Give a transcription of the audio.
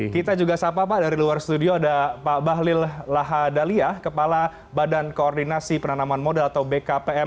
kita juga sapa pak dari luar studio ada pak bahlil lahadalia kepala badan koordinasi penanaman modal atau bkpm